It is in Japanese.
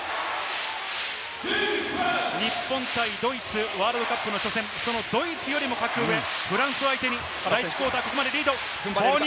日本対ドイツ、ワールドカップの初戦、そのドイツよりも格上・フランスを相手に第１クオーター、ここまでリード。